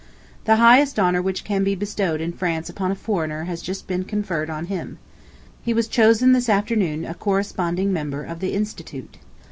The highest honor which can be bestowed in France upon a foreigner has just been conferred on him. He was chosen this afternoon a Corresponding Member of the Institute.